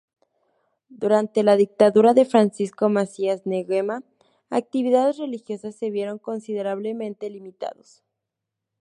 Durante la dictadura de Francisco Macías Nguema actividades religiosas se vieron considerablemente limitados.